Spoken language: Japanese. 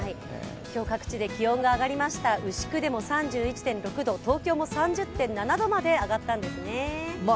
今日各地で気温が上がりました、牛久でも３１．６度、東京も３０．７度まで上がったんですね。